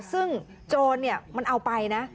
ซึ่งโจรมันเอาไปนะ